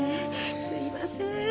すいません。